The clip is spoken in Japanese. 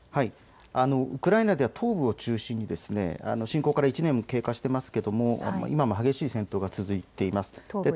ウクライナでは東部を中心に侵攻から１年経過していますが今も激しい戦闘が続いています。